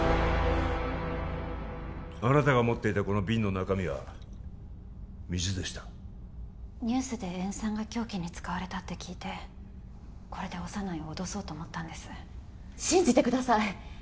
あなたが持っていたこの瓶の中身は水でしたニュースで塩酸が凶器に使われたって聞いてこれで小山内を脅そうと思ったんです信じてください